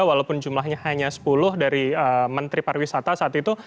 walaupun jumlahnya hanya sepuluh dari menteri pariwisata saat itu